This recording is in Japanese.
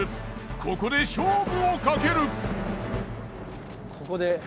ここで勝負をかける。